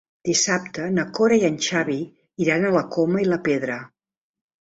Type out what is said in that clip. Dissabte na Cora i en Xavi iran a la Coma i la Pedra.